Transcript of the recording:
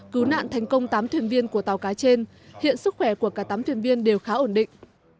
cứu nạn thành công tám thuyền viên của tàu cá trên hiện sức khỏe của cả tám thuyền viên đều khá ổn định